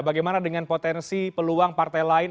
bagaimana dengan potensi peluang partai lain